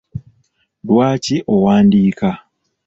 Lwaki owandiika?